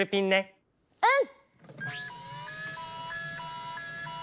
うん！